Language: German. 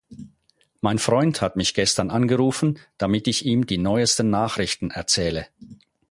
Mein Freund hat mich gestern angerufen, damit ich ihm die neuesten Nachrichten erzähle.